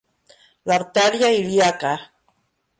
L'artèria ilíaca.